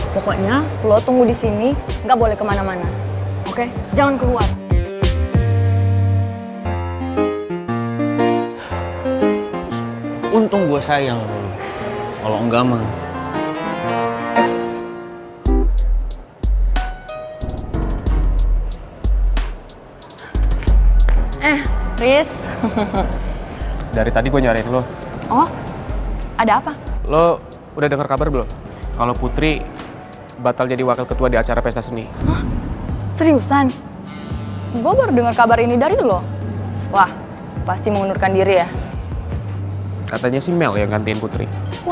wuh untung rizky gak bahas atas sama sekali